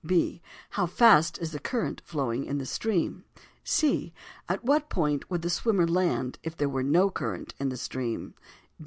B. How fast is the current flowing in the stream? C. At what point would the swimmer land if there were no current in the stream?